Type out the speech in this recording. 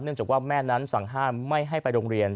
จากว่าแม่นั้นสั่งห้ามไม่ให้ไปโรงเรียน